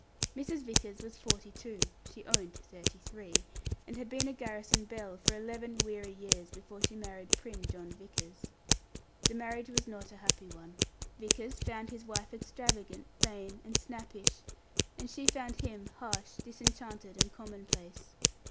Mrs. Vickers was forty two (she owned to thirty three), and had been a garrison belle for eleven weary years before she married prim John Vickers. The marriage was not a happy one. Vickers found his wife extravagant, vain, and snappish, and she found him harsh, disenchanted, and commonplace.